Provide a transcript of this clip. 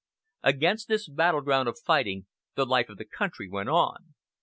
Against this background of fighting the life of the country went on.